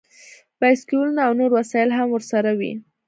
بایسکلونه او نور وسایل هم ورسره وي